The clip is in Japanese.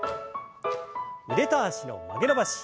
腕と脚の曲げ伸ばし。